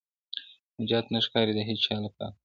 نجات نه ښکاري د هيچا له پاره,